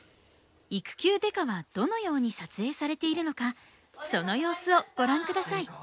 「育休刑事」はどのように撮影されているのかその様子をご覧下さい。